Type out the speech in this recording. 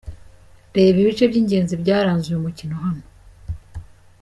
Reba ibice by’ingenzi byaranze uyu mukino hano:.